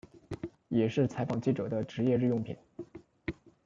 也是采访记者的职业日用品。